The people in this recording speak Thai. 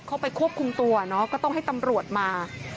เข้าไปควบคุมตัวเนาะก็ต้องให้ตำรวจมา